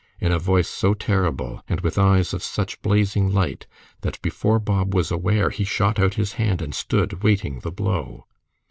in a voice so terrible, and with eyes of such blazing light, that before Bob was aware, he shot out his hand and stood waiting the blow.